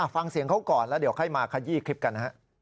ฟังเสียงเขาก่อนแล้วเดี๋ยวค่อยมาขยี้คลิปกันนะฮะ